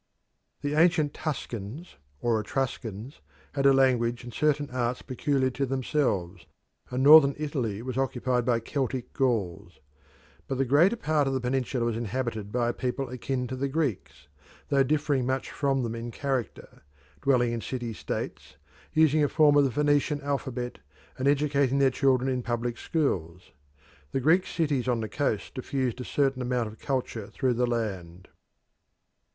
The ancient Tuscans or Etruscans had a language and certain arts peculiar to themselves, and Northern Italy was occupied by Celtic Gauls. But the greater part of the peninsula was inhabited by a people akin to the Greeks, though differing much from them in character, dwelling in city states, using a form of the Phoenician alphabet, and educating their children in public schools. The Greek cities on the coast diffused a certain amount of culture through the land.